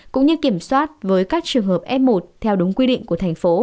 cũng như kiểm soát với các trường hợp f một theo đúng quy định của thành phố